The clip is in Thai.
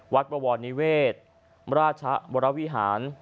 บวรนิเวศราชวรวิหาร